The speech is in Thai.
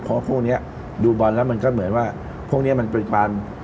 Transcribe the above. เพราะพวกนี้ดูบอลแล้วมันก็เหมือนว่าพวกนี้มันเป็นความ